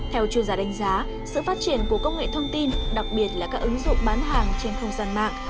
theo chuyên gia đánh giá sự phát triển của công nghệ thông tin đặc biệt là các ứng dụng bán hàng trên không gian mạng